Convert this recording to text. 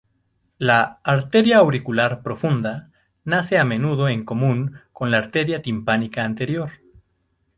La "arteria auricular profunda" nace a menudo en común con la arteria timpánica anterior.